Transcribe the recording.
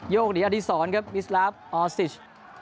โยกหนีอดีศรนะครับวิสลาฟออสติช